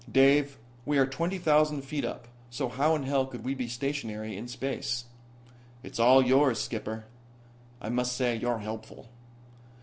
Dave, we are twenty thousand feet up, so how in hell could we be stationary in space?" "It's all yours, skipper." "I must say you're helpful."